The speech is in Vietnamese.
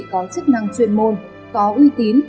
có chức năng chuyên môn có uy tín